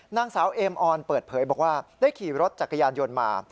นางสาวเอมออนเปิดเผยบอกว่าได้ขี่รถจักรยานยนต์มา